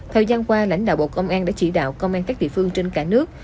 thời gian qua lãnh đạo bộ công an đã chỉ đạo công an các địa phương trên cả nước